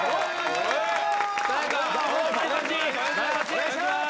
お願いします。